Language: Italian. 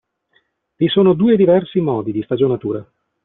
Vi sono due diversi modi di stagionatura.